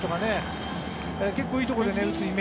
結構いいところで打つ